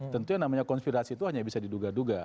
tentunya namanya konspirasi itu hanya bisa diduga duga